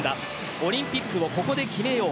オリンピックをここで決めよう。